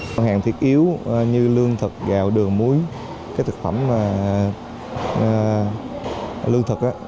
các hàng thiết yếu như lương thực gạo đường muối các thực phẩm lương thực